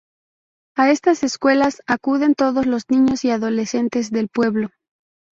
A estas escuelas acuden todos los niños y adolescentes del pueblo.